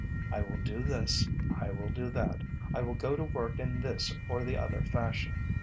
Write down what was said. I will do this, I will do that, I will go to work in this or the other fashion.